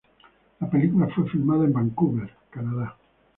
La película fue filmada en Vancouver, Canadá.